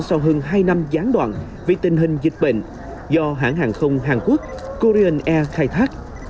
sau hơn hai năm gián đoạn vì tình hình dịch bệnh do hãng hàng không hàn quốc kurion air khai thác